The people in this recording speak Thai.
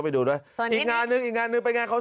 อีกงานนึง